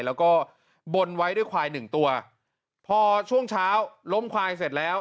แล้วก็บนไว้ด้วยควายหนึ่งตัวพอช่วงเช้าล้มควายเสร็จแล้ว